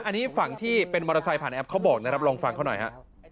อันนี้ฝั่งที่เป็นมอเตอร์ไซค์ผ่านแอปเขาบอกนะครับลองฟังเขาหน่อยฮะ